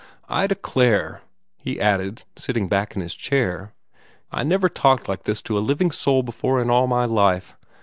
I declare!" he added, sitting up in his chair, "I never talked like this to a living soul before in all my life.